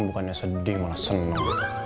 bukannya sedih malah seneng